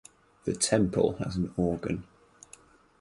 The temple has an organ.